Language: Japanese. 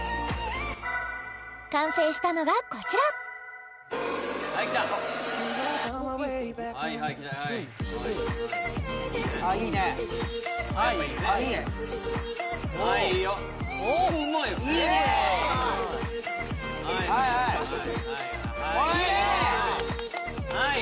完成したのがこちらおーい！